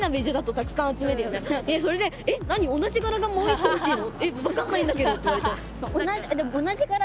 それで「えっ何同じ柄がもう１個欲しいの？」